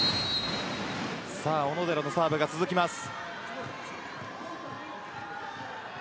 小野寺のサーブが続きます。